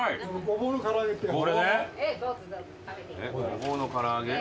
ごぼうの唐揚げ？